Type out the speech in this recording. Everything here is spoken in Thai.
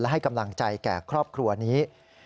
ให้กำลังใจแก่ครอบครัวนี้